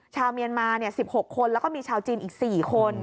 ชาวเมียนมา๑๖คนแล้วก็มีชาวจีนอีก๔คน